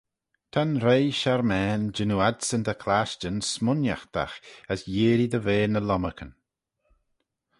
Ta'n reih sharmane jannoo adsyn ta clashtyn smooinaghtagh as yeearree dy ve ny lomarcan.